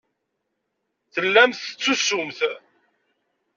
Tellamt tettusumt.